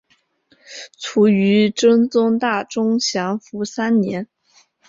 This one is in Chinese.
卒于真宗大中祥符三年。